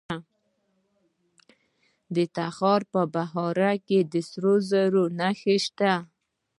د تخار په بهارک کې د سرو زرو نښې شته.